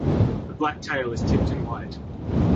The black tail is tipped in white.